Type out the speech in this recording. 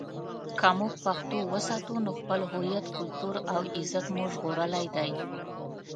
که موږ پښتو وساتو، نو خپل هویت، کلتور او عزت مو ژغورلی دی.